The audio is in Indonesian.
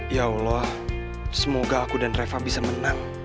ya allah semoga aku dan reva bisa menang